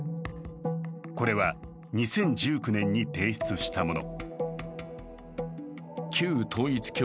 これは２０１９年に提出したもの。